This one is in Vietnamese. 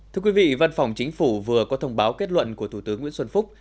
thưa quý vị văn phòng chính phủ vừa có thông báo kết luận của thủ tướng nguyễn xuân phúc